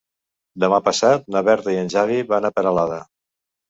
Demà passat na Berta i en Xavi van a Peralada.